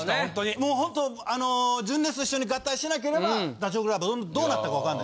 もうほんとあの純烈と一緒に合体してなければダチョウ倶楽部どうなってたか分かんない。